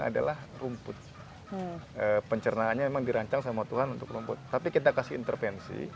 adalah rumput pencernaannya memang dirancang sama tuhan untuk rumput tapi kita kasih intervensi